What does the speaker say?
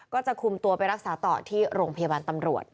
ก็จะคุมตัวไปรักษาต่อที่โรงพยาบาลตำรวจ